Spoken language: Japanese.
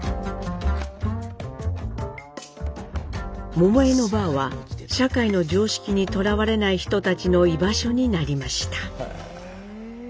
桃枝のバーは社会の常識にとらわれない人たちの居場所になりました。